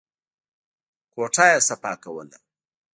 کوټه يې صفا کوله.